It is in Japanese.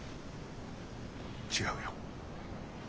違うよ。